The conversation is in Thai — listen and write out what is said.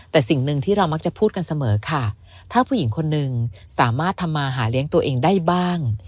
แต่สิ่งหนึ่งที่เรามักจะพูดกันเสมอค่ะถ้าผู้หญิงคนหนึ่งสามารถทำมาหาเลี้ยงตัวเองได้บ้าง